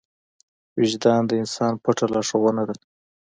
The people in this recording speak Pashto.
وجدان د انسان پټه لارښوونه ده.